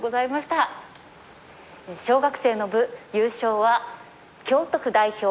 小学生の部優勝は京都府代表